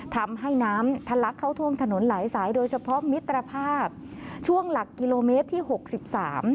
ทำให้น้ำทะลักเข้าท่วมถนนหลายสายโดยเฉพาะมิตรภาพช่วงหลักกิโลเมตรที่หกสิบสาม